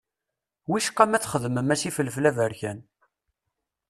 Wicqa ma txedmem-as ifelfel aberkan.